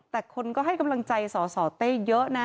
แต่คนก็ให้กำลังใจสสเต้เยอะนะ